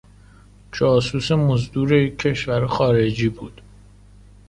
جاسوس مزدور یک کشور خارجی بود.